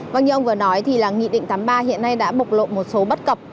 vâng như ông vừa nói thì là nghị định tám mươi ba hiện nay đã bộc lộ một số bất cập